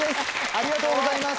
ありがとうございます